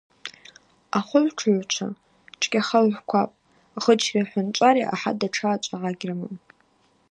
Ахвыгӏвтшыгӏвчва чвгьахагӏвквапӏ, гъычри Хӏвынчӏари ахӏа датша ъачӏвагӏа гьрымам.